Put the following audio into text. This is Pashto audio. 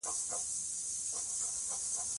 افغانستان د بزګان له امله شهرت لري.